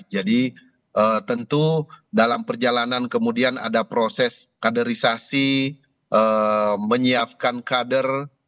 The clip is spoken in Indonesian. jadi tentu dalam perjalanan kemudian ada proses kaderisasi menyiapkan kader